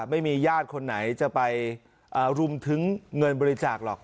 ไม่มีญาติคนไหนจะไปรุมถึงเงินบริจาคหรอก